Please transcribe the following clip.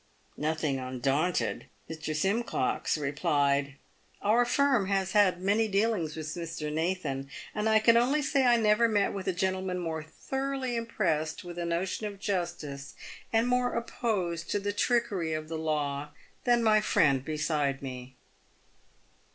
Nothing undaunted, Mr. Simcox replied, " Our firm has had many dealings with Mr. Nathan, and I can only say I never met with a gen tleman more thoroughly impressed with a notion of justice, and more opposed to the trickery of the law than my friend beside me."